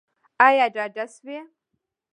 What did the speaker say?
ایا ډاډه شوئ؟